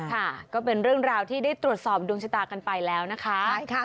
ค่ะก็เป็นเรื่องราวที่ได้ตรวจสอบดวงชะตากันไปแล้วนะคะ